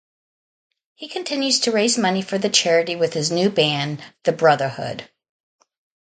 He continues to raise money for the charity with his new band, The Brotherhood.